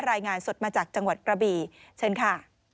รายงานสดมาจากจังหวัดกระบีเชิญค่ะ